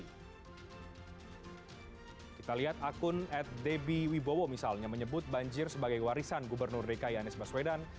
kita lihat akun at debbie wibowo misalnya menyebut banjir sebagai warisan gubernur dki anies baswedan